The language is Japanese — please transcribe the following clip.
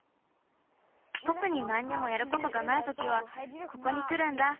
とくになんにもやることがないときはここにくるんだ。